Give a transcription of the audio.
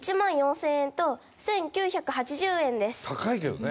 高いけどね。